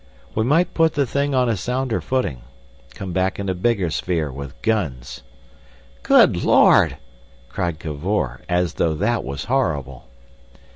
"We might put the thing on a sounder footing. Come back in a bigger sphere with guns." "Good Lord!" cried Cavor, as though that was horrible.